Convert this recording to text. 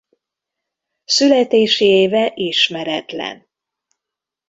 Születési éve ismeretlen.